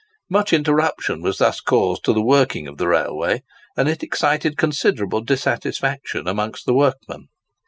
Much interruption was thus caused to the working of the railway, and it excited considerable dissatisfaction amongst the workmen.